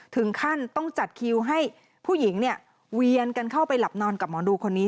ถึงขั้นต้องจัดคิวให้ผู้หญิงเนี่ยเวียนกันเข้าไปหลับนอนกับหมอดูคนนี้